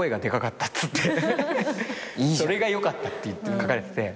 それが良かったって書かれてて。